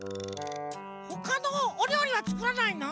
ほかのおりょうりはつくらないの？